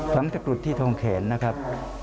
ฝังทะกรุษที่ทองแขนนะครับ